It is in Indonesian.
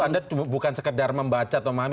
anda bukan sekedar membaca atau memahami